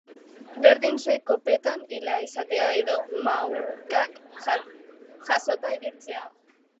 Berdin zait kopetan ilea izatea edo mahukak jasota ibiltzea.